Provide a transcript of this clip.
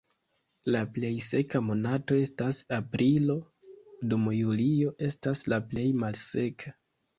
La plej seka monato estas aprilo, dum julio estas la plej malseka.